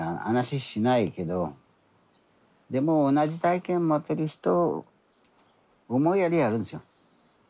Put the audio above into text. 話しないけどでも同じ体験持ってる人思いやりがあるんですよ。